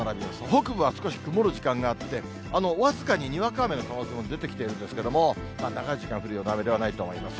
北部は少し曇る時間があって、僅かににわか雨の可能性も出てきているんですけれども、長い時間降るような雨ではないと思います。